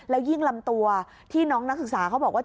แล้วยิ่งลำตัวที่น้องนักศึกษาเขาบอกว่า